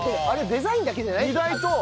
デザインだけじゃないよね多分。